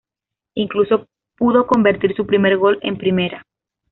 Incluso pudo convertir su primer gol en Primera.